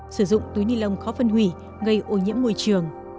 sử dụng túi ni lông khó phân hủy gây ô nhiễm môi trường